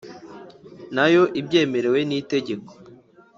Nayo ibyemerewe n inteko